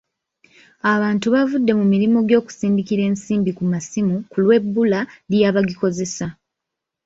Abantu bavudde mu mirimu gy'okusindikira ensimbi ku masimu ku lw'ebbula ly'abagikozesa.